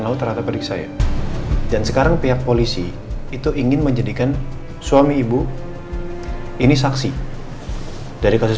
laut ternyata periksa ya dan sekarang pihak polisi itu ingin menjadikan suami ibu ini saksi dari kasus